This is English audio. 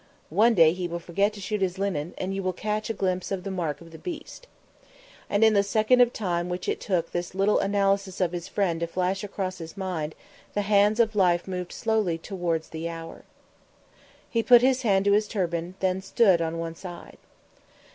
One day he will forget to shoot his linen, and you will catch a glimpse of the mark of the beast. And in the second of time which it took this little analysis of his friend to flash across his mind the hands of Life moved slowly towards the hour. He put his hand to his turban, then stood on one side.